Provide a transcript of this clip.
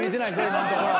今のところ。